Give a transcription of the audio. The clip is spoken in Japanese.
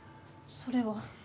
それは。